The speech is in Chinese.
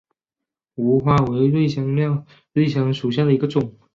芫花为瑞香科瑞香属下的一个种。